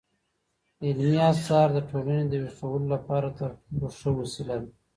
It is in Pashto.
علمي اثار د ټولني د ويښولو لپاره تر ټولو ښه وسيله ده.